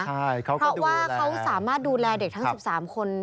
เพราะว่าเขาสามารถดูแลเด็กทั้ง๑๓คน